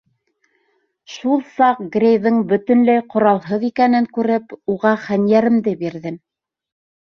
Шул саҡ Грейҙың бөтөнләй ҡоралһыҙ икәнен күреп, уға хәнйәремде бирҙем.